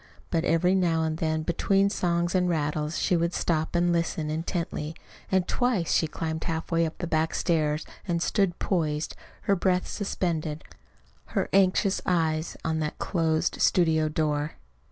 But every now and then, between songs and rattles, she would stop and listen intently; and twice she climbed halfway up the back stairs and stood poised, her breath suspended, her anxious eyes on that closed studio door.